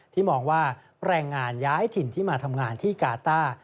มองว่าแรงงานย้ายถิ่นที่มาทำงานที่กาต้า